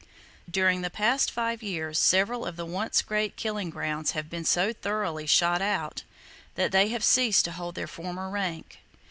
During the past five years, several of the once great killing grounds have been so thoroughly "shot out" that they have ceased to hold their former rank.